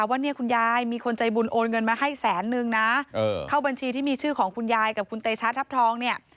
ว่าเนี่ยคุณยายมีคนใจบุญโอนเงินมาให้แสนนึงนะเข้าบัญชีที่มีชื่อของคุณยายกับคุณเตชะทัพทองเนี่ย